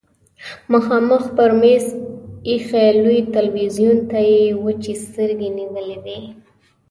مخامخ پر مېز ايښي لوی تلويزيون ته يې وچې سترګې نيولې وې.